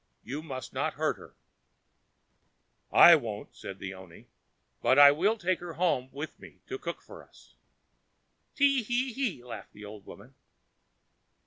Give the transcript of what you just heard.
You must not hurt her." "I won't," said the oni; "but I will take her home with me to cook for us." "Te he he!" laughed the old woman.